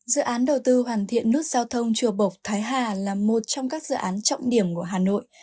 dự án đầu tư hoàn thiện nút giao thông chùa bộc thái hà là một trong các dự án trọng điểm của hà nội